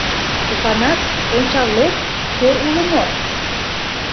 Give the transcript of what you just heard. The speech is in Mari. Опанас, ончал лек, кӧ уло мо?